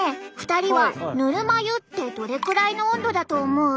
２人はぬるま湯ってどれくらいの温度だと思う？